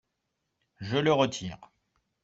Je le retire.